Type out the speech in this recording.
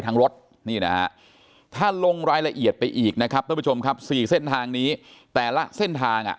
ทางรถท่านลงรายละเอียดไปอีกนะครับ๔เส้นทางนี้แต่ละเส้น